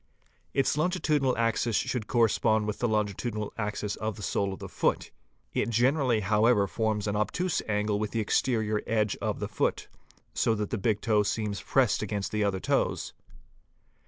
Its longitudinal axis should correspond with the longitudinal axis of the sole of the foot. It generally however orms an obtuse angle with the exterior edge of the foot, so that the big wee eee ee ee? ear ro Earle 534 FOOTPRINTS toe seems pressed against the other toes.